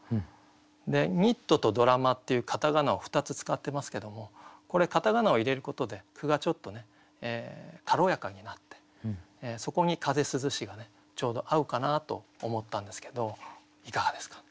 「ニット」と「ドラマ」っていう片仮名を２つ使ってますけどもこれ片仮名を入れることで句がちょっと軽やかになってそこに「風涼し」がちょうど合うかなと思ったんですけどいかがですか？